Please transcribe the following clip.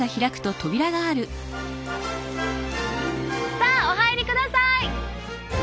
さあお入りください！